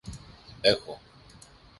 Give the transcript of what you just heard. Έχω!